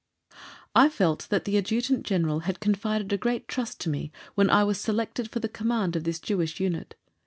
I felt that the Adjutant General had confided a great trust to me when I was selected for the command of this Jewish unit.